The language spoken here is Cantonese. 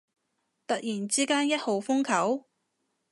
突然之間一號風球？